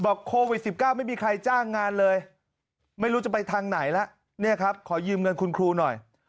โควิด๑๙ไม่มีใครจ้างงานเลยไม่รู้จะไปทางไหนแล้วเนี่ยครับขอยืมเงินคุณครูหน่อย